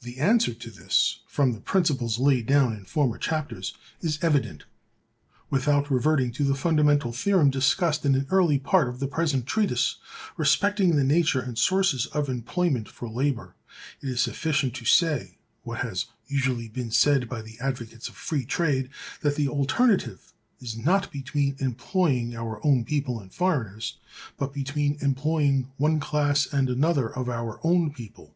The answer to this, from the principles laid down in former chapters, is evident. Without reverting to the fundamental theorem discussed in an early part of the present treatise,(358) respecting the nature and sources of employment for labor, it is sufficient to say, what has usually been said by the advocates of free trade, that the alternative is not between employing our own people and foreigners, but between employing one class and another of our own people.